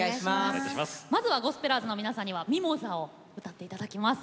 まずはゴスペラーズの皆さんには「ミモザ」を歌っていただきます。